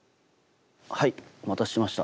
はいお待たせしました。